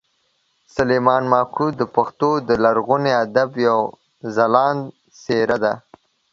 سلیمان ماکو د پښتو د لرغوني ادب یوه خلانده څېره ده